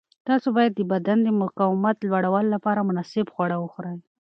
تاسو باید د بدن د مقاومت لوړولو لپاره مناسب خواړه وخورئ.